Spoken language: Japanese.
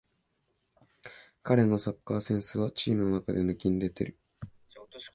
彼のサッカーセンスはチームの中で抜きんでてる